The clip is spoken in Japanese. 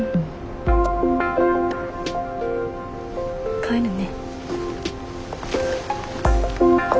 帰るね。